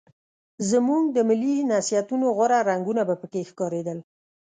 زموږ د ملي نصیحتونو غوره رنګونه به پکې ښکارېدل.